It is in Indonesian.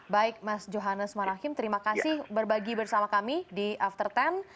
baik mas johannes marhim terima kasih berbagi bersama kami di after sepuluh